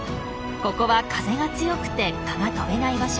ここは風が強くて蚊が飛べない場所。